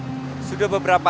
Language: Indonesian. dan untuk memperoleh